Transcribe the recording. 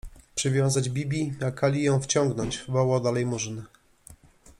— Przywiązać Bibi, a Kali ją wciągnąć! — wołał dalej Murzyn.